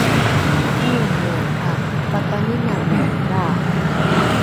oomoe ’a pakaniname lraa